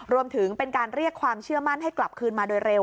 รวมถึงเป็นการเรียกความเชื่อมั่นให้กลับคืนมาโดยเร็ว